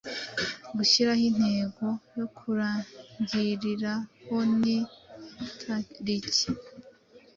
guhyiraho intego yo kurangirirahonitariki,